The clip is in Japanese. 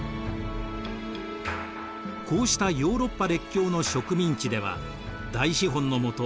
こうしたヨーロッパ列強の植民地では大資本のもと